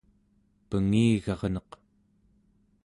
pengigarneq